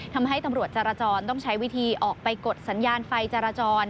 ทำให้ตำรวจจารจรต้องใช้วิธีออกไปกดสัญญาณไฟจราจร